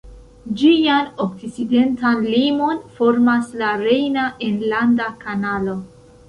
Ĝian okcidentan limon formas la Rejna Enlanda Kanalo.